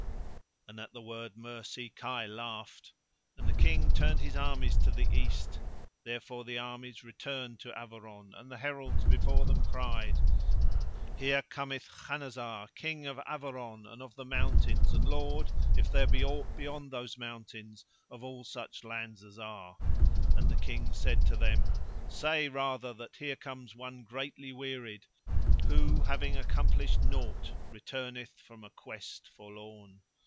And, at the word mercy, Kai laughed. And the King turned his armies to the east. Therefore the armies returned to Averon and the heralds before them cried: "Here cometh Khanazar, King of Averon and of the mountains and Lord, if there be aught beyond those mountains, of all such lands as are." [Illustration: Kai Laughed] And the King said to them: "Say rather that here comes one greatly wearied who, having accomplished nought, returneth from a quest forlorn."